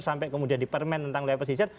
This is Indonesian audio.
sampai kemudian di permen tentang wilayah pesisir